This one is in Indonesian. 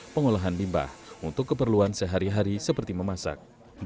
pengolahan limbah untuk keperluan sehari hari seperti memasak